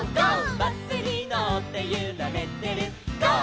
「バスにのってゆられてるゴー！